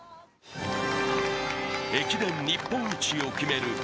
駅伝日本一を決める